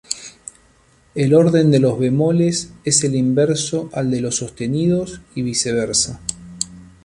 El orden de los bemoles es el inverso al de los sostenidos y viceversa.